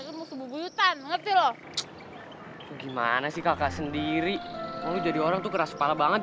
ilmu kebu buyutan ngerti loh gimana sih kakak sendiri mau jadi orang tuh keras kepala banget